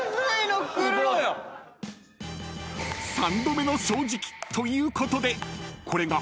［三度目の正直ということでこれが］